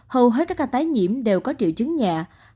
hầu hết các ca tái nhiễm đều có triệu chứng nhẹ